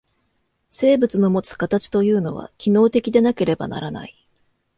生物のもつ形というのは、機能的でなければならない。